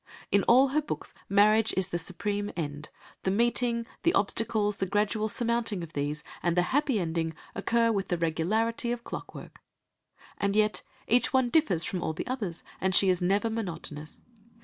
In all her books marriage is the supreme end; the meeting, the obstacles, the gradual surmounting of these, and the happy ending occur with the regularity of clockwork. And yet each one differs from all the others, and she is never monotonous.